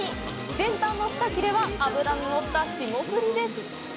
先端の２切れは脂が乗った霜降りです。